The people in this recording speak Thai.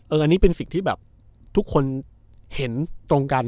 อันนี้เป็นสิ่งที่แบบทุกคนเห็นตรงกัน